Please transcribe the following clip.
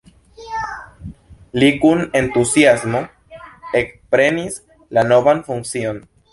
Li kun entuziasmo ekprenis la novan funkcion.